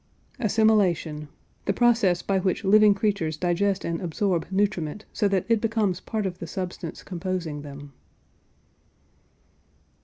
ASSIMILATION. The process by which living creatures digest and absorb nutriment so that it becomes part of the substance composing them.